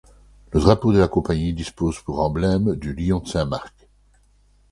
Le drapeau de la compagnie dispose pour emblème du lion de Saint-Marc.